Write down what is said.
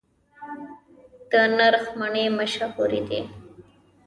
د نرخ مڼې مشهورې دي